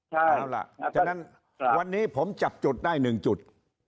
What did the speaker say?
ใช่ครับดังนั้นวันนี้ผมจับจุดได้๑จุด